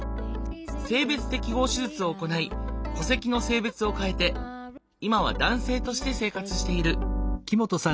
性別適合手術を行い戸籍の性別を変えて今は男性として生活している。